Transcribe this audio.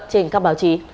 trên các báo chí